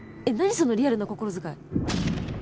そのリアルな心遣い。